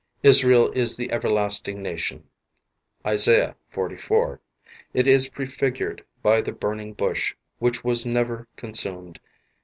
Israel is the everlasting nation. Isa. 44. It is prefigured by the burning bush which was never con sumed.